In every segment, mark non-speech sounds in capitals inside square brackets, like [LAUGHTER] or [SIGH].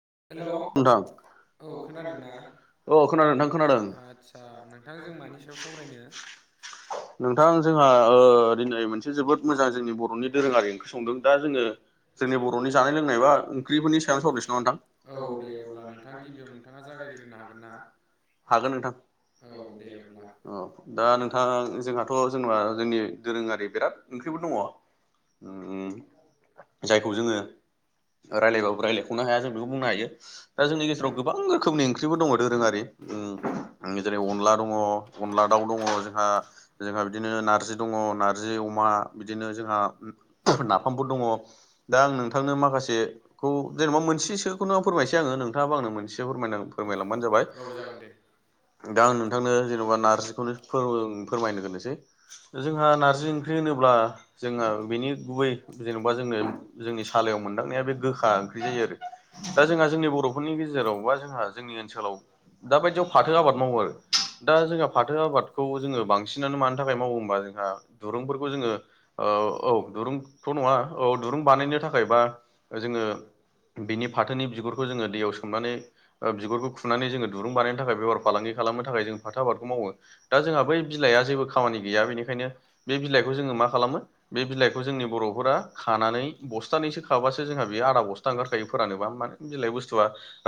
[UNINTELLIGIBLE] Hello औ औ खोनादों खोनादोंना? नोंथां खोनादों आदसा नोंथां जों मानि सायाव सावरायनो? नोंथां जोंहा दिनै मोनसे जोबोद मोजां जोंनि बर'नि दोरोङारि ओंख्रि संदों, दा जोङो जोंनि बर'नि जानाय लोंनाय बा ओंख्रिफोरनि सायावनो सावरायनिसै नामा नोंथां? औ दे अब्ला नोंथां नोंथाङा जागायजेननो हागोनना? हागोन नोंथां। औ दे अब्ला। औ दा नोंथां जोंहाथ' जेन'बा जोंनि दोरोङारि बिराद ओं बो दङ। उम जायखौ जोङो रायज्लायबाबो रायज्लायख'नो हाया जों बुंनो हायो दा जोंनि गेजेराव गोबां रोखोमनि ओंख्रिफोर दङ दोरोंआरि उम- उम जेरै अनला दङ अनला दाउ दङ जोंहा जोंहा बिदिनो नारजि दङ नारजि अमा बिदिनो जोंहा नाफामफोर दङ दा आं नोंथांनो माखासेखौ जेनेबा मोनसे खौनो फोरमायनोसै आङो नोंथाङाबो आंनो मोनसे फोरमायलांबानो जाबाय। औ जागोन दे। दा आं नोंथांनो जेन'बा नार्जिखौनो फोर- फोरमायग्रोनोसै जोंहा नारजि होनोब्ला जोंहा बेनि गुबै जेन'बा जोंनो जोंनि सालायाव मोनदांनाया बे गोखा ओंख्रि जायो आरो। दा जोंहा जोंनि बर'फोरनि गेजेराव बा जोंहा जोंनि ओनसोलाव दा बायदियाव फाथो आबाद मावो आरो दा जोंहा फाथो आबादखौ जोङो बांसिनानो मानि थाखाय मावो होमबा जोंहा दुरुंफोरखौ जोङो ओ औ दुरुंथ' नङा औ दुरुं बानायनो थाखाय बा जोङो बेनि फाथोनि बिगुरखौ जोङो दैयाव सोमनानै ओ बिगुरखौ खुनानै जोङो दुरुं बानायनो थाखाय बेफार फालांगि खालामनो थाखाय जों फाथो आबादखौ मावो दा जोंहा बै बिलाइआ जेबो खामानि गैया बेनिखायनो बे बिलाइखौ जोङो मा खालामो बे बिलाइखौ जोंनि बर'फोरा खानानै बस्थानैसो खाबासो जोंहा बेयो आदा बस्था ओंखारखायो फोरानोबा मा बिलाइ बुस्थुआ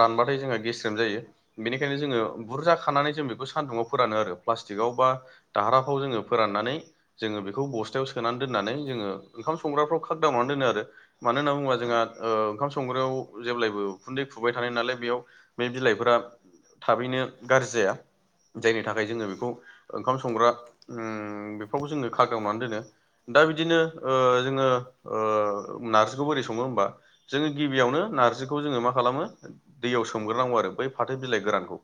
रानबाथाय जोंहा गेस्रेम जायो बेनिखायनो जोङो बुर्जा खानानै जो जों बेखौ सानदुंआव फोरानो आरो प्लास्टिकआव बा दाराफ्राव जोङो फोराननानै जों बेखौ बस्थायाव सोनानै दोननानै जोङो ओंखाम संग्राफ्राव खागदावनानै दोनो‌‌ आरो मानो होनना बुङोबा जोंहा ओ ओंखाम संग्रायाव जेब्लायबो उखुनदै खुबाय थानाय नालाय बेयाव बे बिलाइफोरा थाबैनो गाज्रि जाया। जायनि थाखाय जोङो बेखौ ओंखाम संग्रा उम बेफ्रावबो जोङो खागदावनानै दोनो। दा बिदिनो ओ जोङो ओ नार्जिखौ बोरै सङो होमबा जोङो गिबियावनो नारजिखौ जोङो मा खालामो दैयाव सोमग्रोनांगौ आरो बै फाथो बिलाइ गोरानखौ,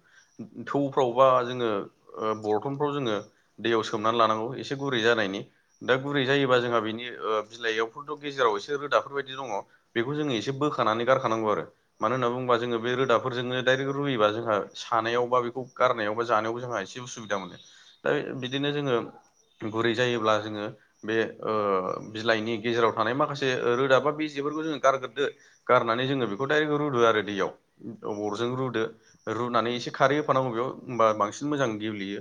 थौफ्राव बा जोङो बरथनफ्राव जोङो दैयाव सोमनानै लानांगौ एसे गुरै जानायनि दा गुरै जायोबा जोंहा बिनि ओ बिलाइआवफोरथ' गेजेराव एसे रोदाफोर बायदि दङ बेखौ जोङो एसे बोखानानै गारखानांगौ आरो मानो होनना बुंबा जोङो बे रोदाफोरजोंनो‌ दायरेक्ट रुयोबा जोंहा सानायाव‌‌ बा खौ गारनायाव बा जानायावबो जोंहा एसे उसुबिदा मोनो। दा बिदिनो जोङो गुरै जायोब्ला जोङो बे ओ बिलाइनि गेजेराव थानाय माखासे रोदा बा बेजेफोरखौ जोङो गारग्रोदो, गारनानै जोङो बेखौ डाइरेक्ट रुदो आरो दैयाव अरजों रुदो रुनानै एसे खारै होफानांगौ बेयाव होमबा बांसिन मोजां गेब्लेयो,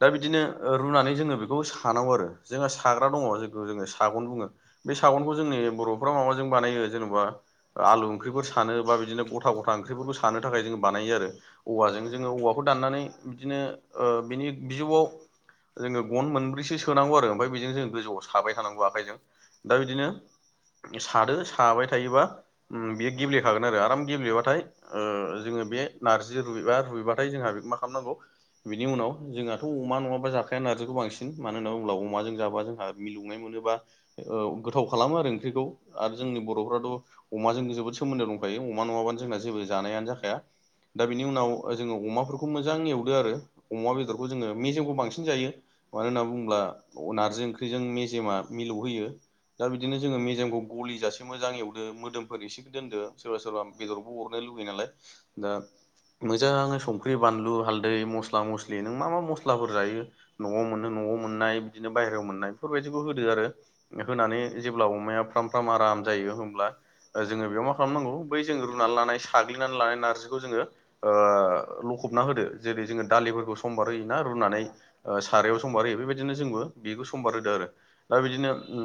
दा बिदिनो रुनानै जोङो बेखौ सानांगौ आरो जोंहा सा दङ जेखौ जोङो सागन बुङो बे सागनखौ जोंनि बर'फ्रा माबाजों बानायो जेन'बा आलु ओंख्रिफोर सानो बा बिदिनो गथा गथा ओंख्रिफोरबो सानो थाखाय जोङो बानायो आरो औवाजों जोङो औवाखौ दाननानै बिदिनो ओ बिनि बिजौआव जोङो गन मोनब्रैसो सोनांगौ आरो ओमफाय बेदि गोजौआव साबाय थानांगौ आखाइजों, दा बिदिनो सादो साबाय थायोबा उम बेयो गेब्लेखागोन आरो आराम गेब्लेबाथाय ओ जोङो बे नारजि रुयबा रुयबाथाय जोंहा बे मा खामनांगौ बिनि उनाव जोंहाथ' अमा नङा जाखाया नारजिखौ बांसिन मानो होनना बुङोब्ला अमाजों ओ मिलौनाय मोनोबा ओ गोथाव खालामो आरो ओंख्रिखौ आरो जोंनि बरफ्राथ' अमाजों जोबोद सोमोन्दो दंखायो अमा नङाबानो जोंना जेबो जानायानो जाखाया। दा बेनि उनाव जोङो अमाफोरखौ मोजां एवदो आरो अमा बेदरखौ जोङो मेजेमखौ बांसिन जायो, मानो होनना बुङोब्ला नारजि ओंख्रिजों मेजेमा मिलौ होयो। दा बिदिनो जोङो मेजेमखौ गलि जासे मोजां एवदो मोदोम फोर एसे दोनदो सोरबा सोरबा बेदरबो अरनो लुुबैयो नालाय दा मोजाङै संख्रि बानलु हालदै मस्ला मस्लि नों मा मा मस्लाफोर जायो न'आव मोनो न नव मोननाय बिदिनो बायहेरायाव मोननाय बेफोरबायदिखौ होदो आरो होनानै जेब्ला अमाया फ्राम फ्राम आराम जायो होमब्ला जोङो बेयाव मा खालामनांगौ बै जो रुनानै लानाय साग्लिनानै लानाय नारजिखौ जोङो ओ लखब हरना होदो जेरै जोङो दालिफोरखौ समबार होयो ना रुनानै सारायाव समबार होयो बेबायदिनो जोंबो बेखौ समबार होदो आरो दा बिदिनो ओ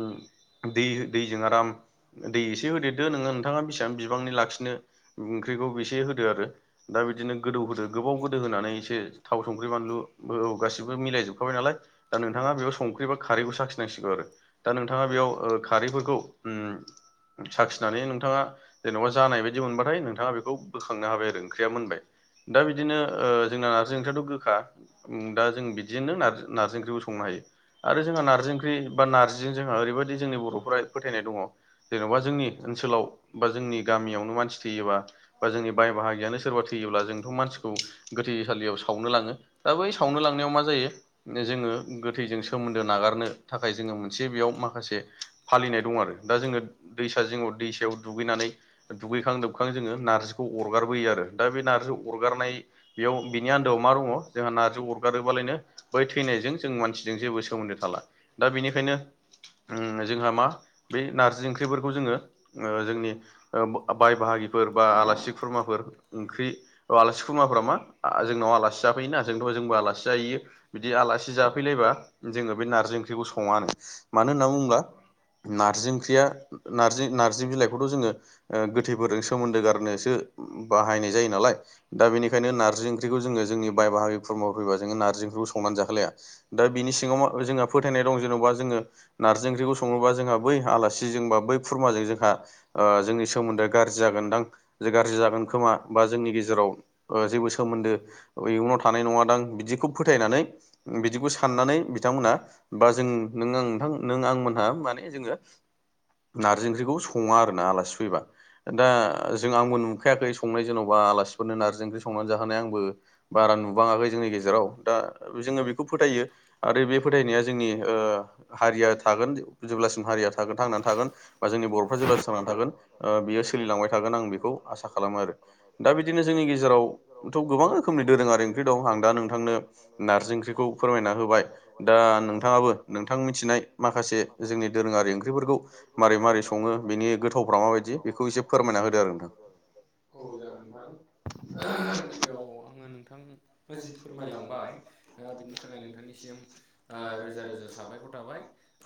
दै ओ दै दैजों आराम दै एसे होदो दो नोङो नोंथाङा बेसेबां बिबांनि लाखिनो ओंख्रिखौ बेसे होदो आरो दा बिदिनो गोदौ होदो गोबाव गोदो होनानै एसे थाव संख्रि बानलु औ गासिबो मिलायजोबखाबाय नालाय दा नोंथाङा बेयाव संख्रि ख्रि बख खारैखौ साखिनांसिगौ आरो दा नोंथाङा बेयाव ओ खारैफोरखौ उम होननानै नोंथाङा जेनबा जानाय बायदि मोनबाथाय नोंथाङा बेखौ बोखांनो हाबाय आरो ओंख्रिया मोनबाय दा बिदिनो ओ जोंना नारजि ओंख्रियाथ गोखा दा जों बिदिनो नारजि नारजि ओंख्रिखौ संनो हायो आरो जोंहा नारजि ओंख्रि बा नारजिजों जोंहा ओरैबायदि जोंनि बर'फोरा फोथायनाय दङ जेनबा जोंनि ओनसोलाव बा जोंनि गामियावनो मानसि थैयोबा बा जोंनि बाय बाहागियालाय सोरबा थैयोब्ला जोंथ‌ मानसि खौ गोथैसालियाव सावनो लाङो दा बै सावनो लांनायाव मा जायो जोङो गोथै थैजों सोमोन्दो नागारनो थाखाय जोङो मोनसे बेयाव माखासे फालिनाय दं आरो दा जोङो दैसा जिङाव दैसायाव दुगैनानै दुगैखां लोबखां जोङो नारजिखौ अरगारबोयो आरो दा बे नारजि अरगारनाय बेयाव बिनि आन्दोआव मा दङ जोंहा नार्जि अरगारोबालायनो बै थैनायजों जों मानसि सोमोन्दो थाला दा बेनिखायनो उम जोंहा मा बे नारजि ओंख्रिफोरखौ जोङो ओ जोंनि ओ ब बाय बाहागिफोर बा आलासि खुरमाफोर ओंख्रि ओ आलासि खुरमाफोर मा जोंनाव आलासि जाफैयोना जोंथ' जोंबो आलासि जाहैयो बिदि आलासि जाफैलायबा जोङो बे नारजि ओंख्रिखौ सङानो मानो होनना बुङोब्ला नारजि ओंख्रिया नारजि बिलाइखौथ जोङो ओ गोैथै फोरजों सोमोन्दो गारनो सो बाहायनाय जायो नालाय दा बेनिखायनो नारजि ओख्रिखौ जोङो जोंनि बाय बाहागिफोर खुरमा फैबा जोङो नारजि ओंख्रिखौ संनानै जाहो लाया दा बिनि सिगां जोंहा फोथायनाय दं जेनबा जोङो नारजि ओंख्रिखौ सङोबा जोंहा बै आलासि जोंबा बै खुरमाजों जोंहा ओ जोंनि सोमोन्दोआ गाज्रि जागोनदां गाज्रि जागोन खोमा बा जोंनि गेजेराव ओ जेबो सोमोन्दो इयुनाव थानाय नङा दां बिदिखौ फोथायनानै बिदिखौ साननानै बिथांमोना बा जों नों आं नोंथां नों आं मोनहा माने जोङो नारजि ओंख्रिखौ सङा आरो ना आलासि फैबा दा जों आंबो नुखायाखै संनाय जेनबा आलासि फोरनो नारजि ओंख्रि संनानै जाहोनाय आंबो बारा नुबाङाखै जोंनि गेजेराव दा जोङो बेखौ फोथायो आरो बे फोथायनाया जोंनि ओ हारिया थागोन जेब्लासिम हारिया थागोन थांनानै थागोन बा जोंनि बर'फ्रा जेब्लासिम थांनानै थागोन बियो सोलिलांबाय थागोन आं बेखौ आसा खालामो आरो दा बिदिनो जोंनि गेजेराव बोथ गोबां रोखोमनि दोरोङारि ओंख्रि दं आं दा नोंथांनो नारजि ओंख्रिखौ फोरमायनाहो दा नोंथाङाबो नोंथां मिथिनाय माखासे जोंनि दोरोङारि ओंख्रिफोरखौ मारै मारै सङो बेनि गोथावफ्रा माबायदि बेखौ फोरमायना होदो आरो औ जागोन नोंथां ओह गिबियाव आङो नोंथाङा जि फोरमायलांबाय बिनि थाखाय नोंथांनि सिम ओ रोजा रोजा साबायखर थाबाय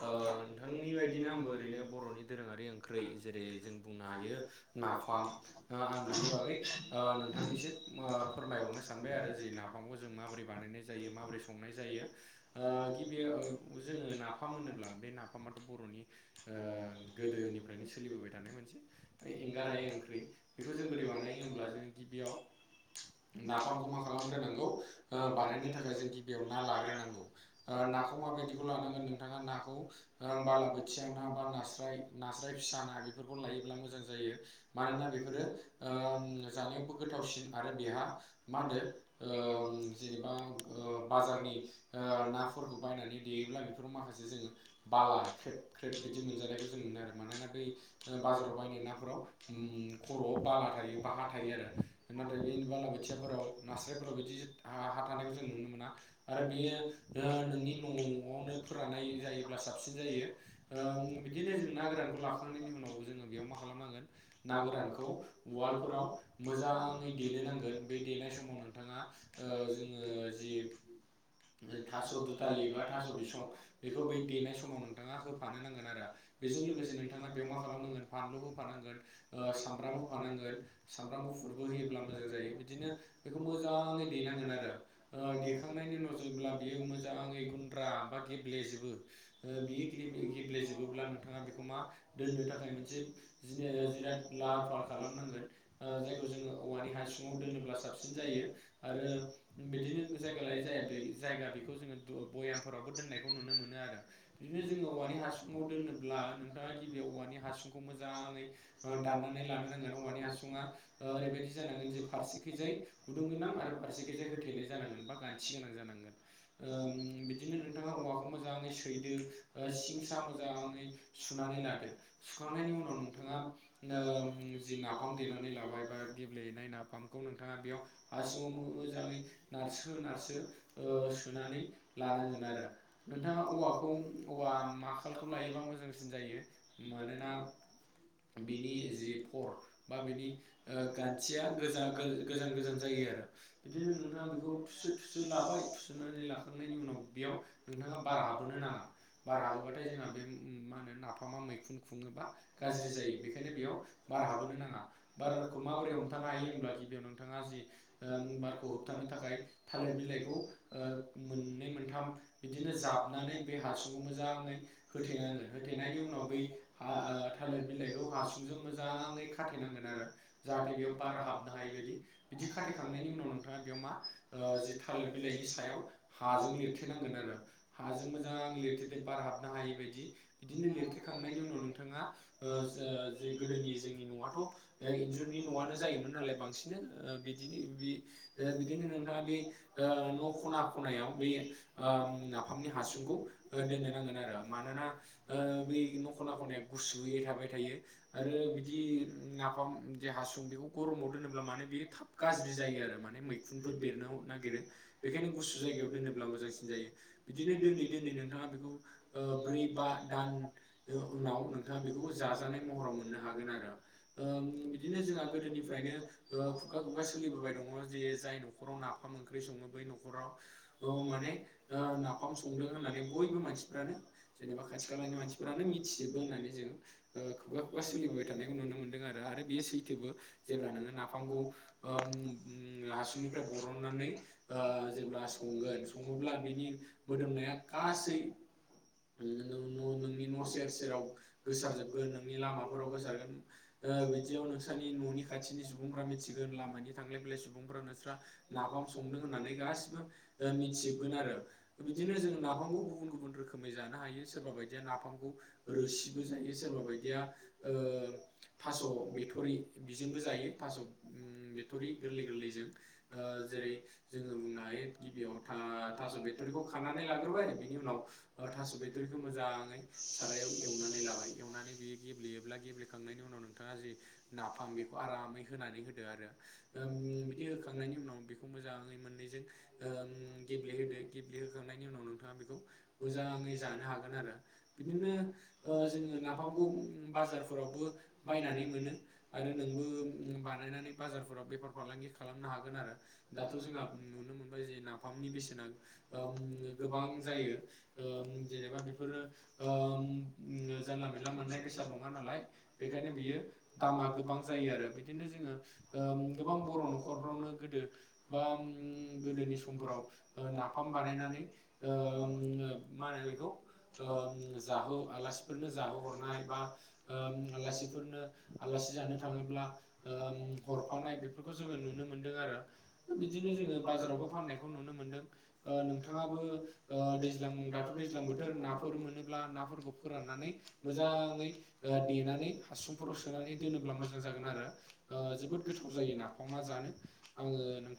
ओ नोंथांनि बायदिनो आंबो ओरैनो ब बर'नि दोरोङारि ओंख्रै जेरै जों बुंनो हायो नाफाम ओ आं बेनि बागै ओ नोंथांनिसिम ओ फोरमायहरनो सानबाय आरो जि नाफामखौ जों माबोरै बानायनाय जायो माबोरै संनाय जायो गिबि जोङो नाफाम मोनोब्ला बे नाफामाथ' बर'नि दोरोङारि ओ गोदोनिफ्रायनो सोलिबोबाय थानाय मोनसे एंगारायो ओंख्रि बेखौ जों बोरै बानायो होमब्ला जोंङो बेयाव नाफामखौ मा खालामग्रोनांगौ ओ बानायनो थाखाय जों गिबियाव ना लाग्र ग्रो नांगौ ओ नाखौ मा बायदि लानांगोन नोंथाङा नाखौ ओ बाला बाथिया ना बा नास्राय नास्राय फिसा ना बेफोरखौ लायोब्ला मोजां जायो मानोना बेफोरो जानायावबो गोथावसिन आरो बेहा मा होनो ओ जेनेबा बाजार नि ओ नाफोरखौ बायनानै देयोब्ला बेफोराव माखासे जोङो बाला ख्रेब ख्रेब बिदि मोनजानायखौ जों मोनो आरो मानोना बै बाजाराव बायनाय नाफोराव खर'आव बाला थायो हा थायो आरो नाथाय बे बालाबोथियाफोराव नास्रायफोराव बिदि हा थानायखौ जों नुनो मोना आरो बेयो ओ नोंनि न'आवनो फोराननाय जायोब्ला साबसिन जायो [INAUDIBLE] बिदिनो जों ना गोरानखौ लाखांनायनि उनाव जोङो बेयाव मा खालामनांगोन ना गोरानखौ उवालफोराव मोजाङै देनो नांगोन बे देनाय समाव नोंथाङा ओ जोङो जि थास दुदालि बा थास बिसं बेखौ बै देनाय समाव नोंथाङा होफा नांगोन आरो बेजों लोगोसे नोंथाङा मा खालामनांगोन फानलु होफानांगोन ओ सामब्राम होफानांगोन सामब्राम गुफुरबो होयोब्ला मोजां जायो बिदिनो मोजाङै देनांगोन आरो ओ देखांनायनि उनाव जेब्ला बियो मोजाङै गुन्द्रा बा गेब्लेजोबो ओ बियो गेब्लेजोबोब्ला नोंथाङा बेखौ मा दोननो थाखाय मोनसे जिराद लाहार फाहार खालाम ओ जायखौ जोङो औवानि हासुङाव दोनोब्ला साबसिन जायो आरो बिदिनो जायगा लायै जाया जायगा बेखौ जोङो बयामफोरावबो दोननायखौ नुनो मोनो आरो बिदिनो जोङो औवानि हासुङाव दोनोब्ला नोंथाङा गिबियाव औवानि हासुंखौ मोजाङै बा दाननानै लानो नांगोन औवानि हासुंआ ओरैबायदि जानांगोन जे फारसेखैजाय गुदुं गोनां आरो फारसेखैजाय होथेनाय जानां गोन बा गानथि गोनां जानांगोन ओ बिदिनो नोंथाङा औवाखौ मोजाङै सैदो सिं सा मोजाङै सुनानै लादो सुखांनायनि उनाव नोंथाङा ओ जि नाफाम देनानै लाबाय बा गेब्लेनाय नाफामखौ नोंथाङा बेयाव हासुङाव मोजाङै नारसो नारसो ओ सोनानै लानांगोन आरो नोंथाङा औवाखौ औवा माखालखौ लायोबा मोजांसिन जायो मानोना बिनि जि फर बा बिनि ओ गान्थिया गोजा गोजान गोजान जायो बिदि आरो बिदिनो नोंथाङा बेखौ थुसो थुसो लाबाय थुसोनानै लाखांनायनि उनाव बेयाव नोंथाङा बार हाबहोनो नाङा बारहाबोबाथाय जोंहा बे मा होनो नाफामा मैखुन खुङोबा गाज्रि जायो बेखायनो बेयाव बार हाबहोनो नाङा बारखौ माबोरै हमथानो हायो होमब्ला गिबियाव नोंथाङा जि ओ बारखौ होबथानो थाखाय थालिर बिलाइखौ ओ मोननै मोनथाम बिदिनो जाबनानै बे हासुं मोजाङै होथेनांगोन होथेनायनि उनाव बै हा ओ थालिर बिलाइखौ हासुंजों मोजां मोजाङै खाथेनांगोन आरो जाहाथे बेयाव बार हाबनो हायै बायदि बिदि खाथेखांनायनि उनाव नोंथाङा बेयाव मा जि थालिर बिलाइनि सायाव हाजों लिरथेनांगोन आरो हाजों मोजां लिर थे बार हाबनो हायै बायदि बिदिनो लिरथेखांनायनि उनाव नोंथाङा ओ जा जे गोदोनि जोंनि नआथ इन्जुरनि न'आनो जायोमोन नालाय बांसिनो बिदिनो बि ओ बिदिनो नों नोंथांआ बि ओ न' खना खनायाव बे नाफामनि हासुंखौ दोननो नांगोन आरो मानोना ओ बै नखना खनाया गुसुैयै थाबाय थायो आरो बिदि नाफाम जे हासुं बेखौ गरमाव दोनोब्ला माने बे थाब गाज्रि जायो आरो माने मैखुन फोर बेरनो नागिरो बेनिखायनो गुसु जायगायाव दोनोब्ला मोजांसिन जायो बिदिनो दोनै दोन नै नोंथाङा बेखौ ब्रै बा दान उनाव नोंथाङा बेखौ जाजानाय महराव मोन मोननो हागोन आरो ओ बिदिनो जोंहा गोदोनिफ्रायनो ओ खुगा खुगा सोलिबोबाय दङ जि जाय न'खराव नाफाम ओंख्रि सङो बै न'खराव औ माने ओ नाफाम संदों हो नानै बयबो मानसिफ्रानो जेनेबा खाथि खालानि मानसिफ्रानो मिथिजोबो होननानै जों ओ खुगा खुगा सोलिबाय थानायखौ नुनो मोन्दों आरो आरो बे सैथोबो जेब्ला नोङो नाफामखौ ओम हासुंनिफ्राय बरननानै जेब्ला संगोन सङोब्ला बिनि मोदोमनाया गासै न' नोंनि न' सेर सेराव गोसारजोबगोन नोंनि लामाफोराव गोसारगोन ओ बिदियाव नोंसानि न'नि खाथिनि सुबुंफ्रा मिथिगोन लामानि थांलाय फैलाय सुबुंफ्रा नोंस्रा नाफाम संदों होननानै गासिबो ओ मिथिजोबगोन आरो बिदिनो जों नाफ फामखौ गुबुन गुबुन रोखोमै जानो हायो सोरबा बायदिया नाफामखौ रोसिबो जायो सोरबा बायदिया ओ थास बिथरि बिजोंबो जायो थास उम बिथरि गोरलै गोरलै जो जों ओ जेरै जोङो बुंनो हायो गिबियाव था थास बिथरिखौ खाना नै लाग्रोबाय बिनि उनाव ओ थास बिथ'रिखौ मोजाङै सारायाव एवनानै लाबाय एवनानै बि गेब्लेयोब्ला गेब्लेखांनायनि उनाव नोंथाङा जि नाफाम बेखौ आरामै होनानै होदो आरो ओ उम बिदि होखांनायनि उनाव बेखौ मोजाङै मोननैजों ओम गेब्लेहोदो गेब्लेहोखांनाय नि उनाव नोंथाङा बेखौ मोजाङै जानो हागोन आरो बिदिनो ओ जोङो नाफामखौ उम बाज जारफोरावबो बायनानै मोनो आरो नोंबो उम बानायनानै बाजारफोराव बेफार फालांगि खालामनो हा गोन आरो दाथ जोंहा उम नुनो मोनबाय जे नाफामनि बेसेना उम गोबां जायो उम जेनेबा बेफोर उम जानला मोनला मोननाय बेसेन नङा नालाय बेखायनो बियो दामा गोबां जायो आरो बिदिनो जोंङो उम गोबां बर नखरफ्रावनो गोदो बा उम गोदोनि समफोराव ओ नाफाम बानायनानै ओ मा होनो बेखौ उम जाहो आलासिफोरनो जाहोहरनाय बा उम आलासिफोरनो आलास सि जानो थांङोब्ला उम हरफानाय बेफोरखौ जोंङो नुनो मोन दों आरो ओ बिदिनो जोंङो बाजारावबो फाननायखौ नुनो मोनदों ओ नोंथाङाबो ओ दैज्लां दाथ दैज्लां बोथोर नाफोर मोनोब्ला नाफोरखौ फोराननानै मोजांङै ओ देनानै हासुंफोराव सोनानै दोनोब्ला मोजां जागोन आरो ओ जोबोद गोथाव जायो नाफामा जानो। आंङो नोंथां